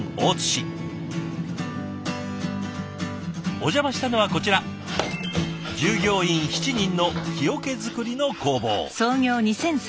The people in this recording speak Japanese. お邪魔したのはこちら従業員７人の木桶作りの工房。